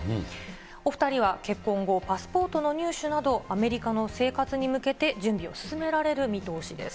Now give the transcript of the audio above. お２人は結婚後、パスポートの入手など、アメリカの生活に向けて準備を進められる見通しです。